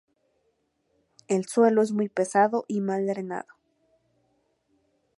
El suelo es muy pesado y mal drenado.